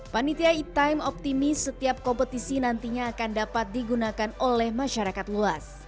panitia e time optimis setiap kompetisi nantinya akan dapat digunakan oleh masyarakat luas